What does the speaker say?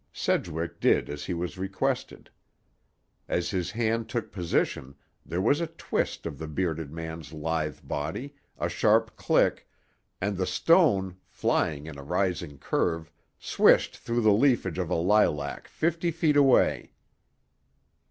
Sedgwick did as he was requested. As his hand took position, there was a twist of the bearded man's lithe body, a sharp click, and the stone, flying in a rising curve, swished through the leafage of a lilac fifty feet away.